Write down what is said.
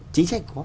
chính xác có